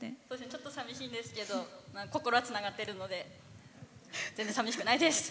ちょっとさみしいですけど心はつながってるので全然、さみしくないです。